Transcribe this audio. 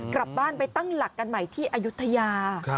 กลับบ้านไปตั้งหลักกันใหม่ที่อายุทยา